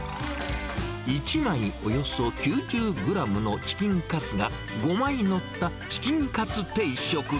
１枚およそ９０グラムのチキンカツが５枚載ったチキンカツ定食。